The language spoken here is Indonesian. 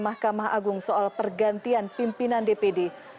manila nusantara dpd